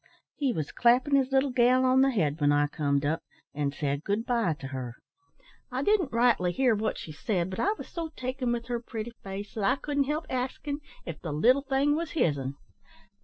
He was clappin' his little gal on the head, when I comed up, and said good bye to her. I didn't rightly hear what she said; but I was so taken with her pretty face that I couldn't help axin' if the little thing was his'n.